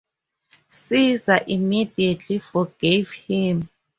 Caesar immediately forgave him.